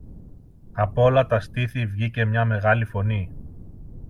Απ' όλα τα στήθη βγήκε μια μεγάλη φωνή